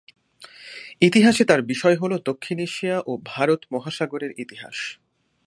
ইতিহাসে তার বিষয় হল দক্ষিণ এশিয়া ও ভারত মহাসাগরের ইতিহাস।